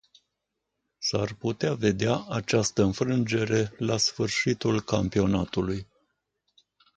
S-ar putea vedea această înfrângere la sfârșitul campionatului.